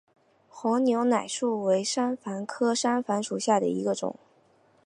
黄牛奶树为山矾科山矾属下的一个种。